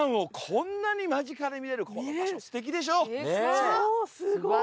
超すごい！